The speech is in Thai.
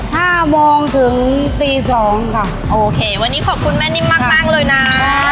ห้าโมงถึงตีสองค่ะโอเควันนี้ขอบคุณแม่นิ่มมากมากเลยนะ